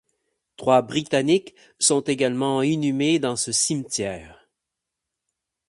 Trois Britanniques sont également inhumés dans ce cimetière.